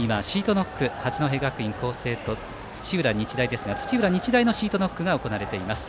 八戸学院光星と土浦日大ですが土浦日大のシートノックが行われています。